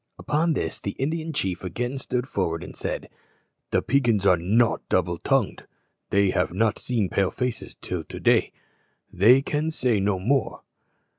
Upon this the Indian chief again stood forward and said, "The Peigans are not double tongued. They have not seen Pale faces till to day. They can say no more."